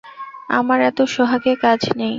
আমার এত সোহাগে কাজ নেই।